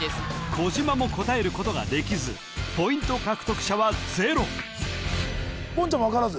小島も答えることができずポイント獲得者はゼロ言ちゃんも分からず？